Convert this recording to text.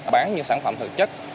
bán những sản phẩm thực chất